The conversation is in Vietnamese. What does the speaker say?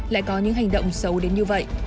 lại có những hành động xấu đến như vậy